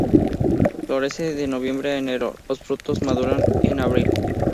Florece de noviembre a enero, los frutos maduran en abril.